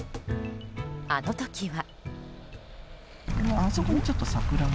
あの時は。